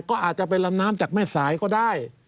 ก็อาจจะเป็นลำน้ำจากแม่สายก็ได้